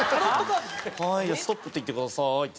「はい“ストップ”って言ってください」って。